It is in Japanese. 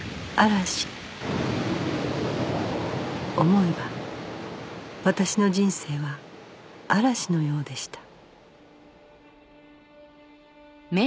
思えば私の人生は嵐のようでした